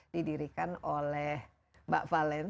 didirikan oleh mbak valen